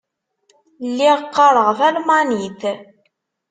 Lliɣ qqareɣ talmanit.